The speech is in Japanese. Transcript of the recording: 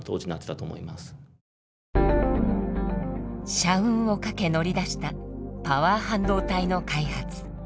社運をかけ乗り出したパワー半導体の開発。